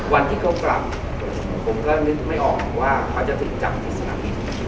วันที่เขากลับผมก็นึกไม่ออกว่าเขาจะถูกจับที่สนามบิน